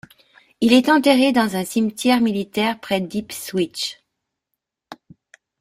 Il est enterré dans un cimetière militaire près d'Ipswich.